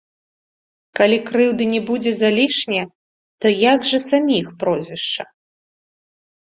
Калі крыўды не будзе залішне, то як жа саміх прозвішча?